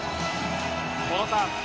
小野さん